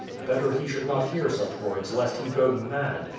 Better he should not hear such words lest he go mad.